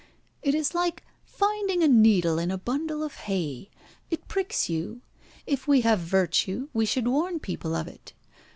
"It is like finding a needle in a bundle of hay. It pricks you. If we have virtue we should warn people of it.